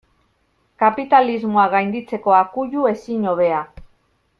Kapitalismoa gainditzeko akuilu ezin hobea.